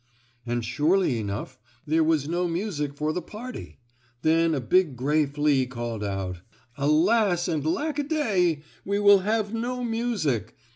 And surely enough, there was no music for the party. Then a big gray flea called out: "Alas, and lack a day! We will have no music!